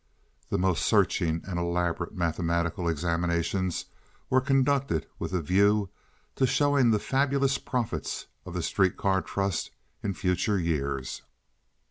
The most searching and elaborate mathematical examinations were conducted with a view to showing the fabulous profits of the streetcar trust in future years.